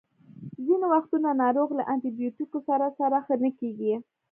ځینې وختونه ناروغ له انټي بیوټیکو سره سره ښه نه کیږي.